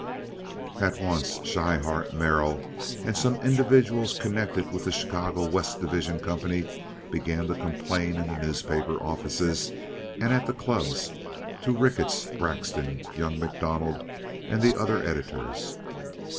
At once Schryhart, Merrill, and some individuals connected with the Chicago West Division Company, began to complain in the newspaper offices and at the clubs to Ricketts, Braxton, young MacDonald, and the other editors.